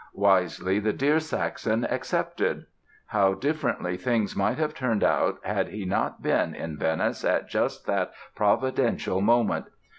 Wisely, "the dear Saxon" accepted. How differently things might have turned had he not been in Venice at just that providential moment!